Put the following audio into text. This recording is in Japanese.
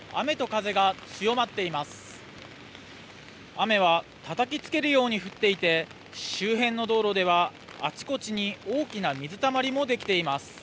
雨はたたきつけるように降っていて周辺の道路ではあちこちに大きな水たまりもできています。